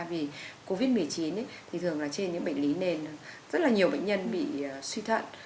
vì covid một mươi chín thì thường là trên những bệnh lý nền rất là nhiều bệnh nhân bị suy thận